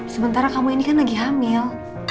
sementara kamu ini kan lagi hamil